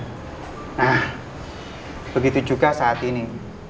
nah begitu juga saat ini